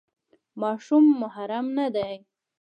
ماشوم محرم نه دی.